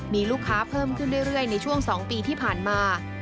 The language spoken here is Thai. มีลูกค้าเพิ่มขึ้นเรื่อยในช่วง๒ปีที่ผ่านมา